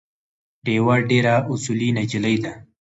ډیوه ډېره اصولي نجلی ده